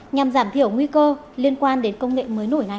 nhằm giảm thiểu nguy cơ liên quan đến công nghệ mới nổi này